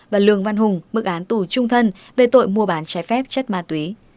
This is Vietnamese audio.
và lường văn hùng mức án tù trung thân về tội mua bán trái phép chất ma túy